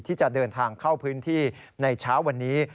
ที่จะเดินทางเข้าพื้นที่ในเช้าวันนี้